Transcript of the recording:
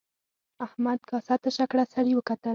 احمد کاسه تشه کړه سړي وکتل.